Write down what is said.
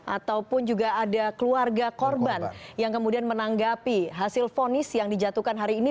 ataupun juga ada keluarga korban yang kemudian menanggapi hasil fonis yang dijatuhkan hari ini